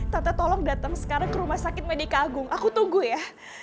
tante tolong datang sekarang ke rumah sakit medica agung aku tunggu ya